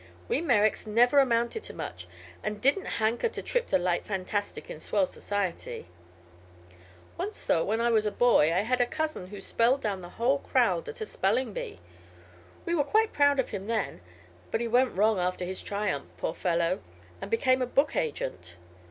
We Merricks never amounted to much, an' didn't hanker to trip the light fantastic in swell society. Once, though, when I was a boy, I had a cousin who spelled down the whole crowd at a spellin' bee. We were quite proud of him then; but he went wrong after his triumph, poor fellow! and became a book agent.